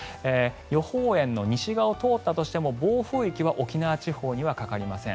予報円の西側を通ったとしても暴風域は沖縄地方にはかかりません。